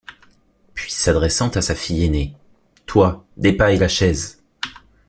Puis s’adressant à sa fille aînée: — Toi! dépaille la chaise !